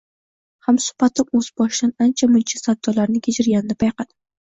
Hamsuhbatim o`z boshidan ancha-muncha savdolarni kechirganini payqadim